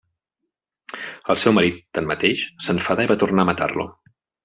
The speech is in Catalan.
El seu marit, tanmateix, s'enfadà i va tornar a matar-lo.